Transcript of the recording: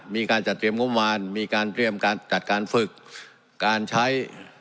มีการจัดเตรียมงบประมาณมีการเตรียมการจัดการฝึกการใช้